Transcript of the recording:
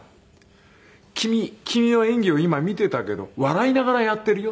「君の演技を今見ていたけど笑いながらやっているよ」